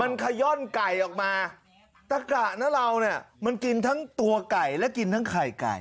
มันขย่อนไก่ออกมาตะกะนะเราเนี่ยมันกินทั้งตัวไก่และกินทั้งไข่ไก่